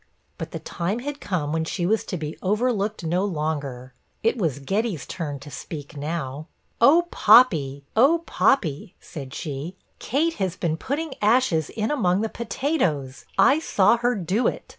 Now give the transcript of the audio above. But the time had come when she was to be overlooked no longer. It was Getty's turn to speak now. 'Oh Poppee! oh Poppee!' said she, 'Kate has been putting ashes in among the potatoes! I saw her do it!